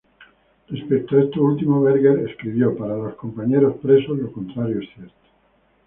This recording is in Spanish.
Respecto a esto último Berger escribió: "Para los compañeros presos lo contrario es cierto.